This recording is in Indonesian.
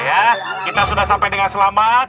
ya kita sudah sampai dengan selamat